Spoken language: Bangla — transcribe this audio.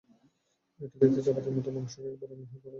এটি দেখতে চাপাতির মতো, মাংসকে একেবারে মিহি করে কাটতে সাহায্য করে।